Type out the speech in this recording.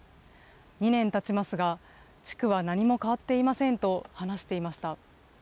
２年たちますが、地区は何も変わっていませんと話していました。